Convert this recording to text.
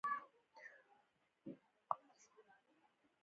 موافقان قانع کاندي.